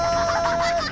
・ハハハハ！